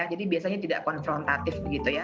jadi biasanya tidak konfrontatif